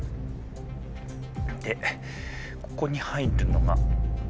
でここに入るのが。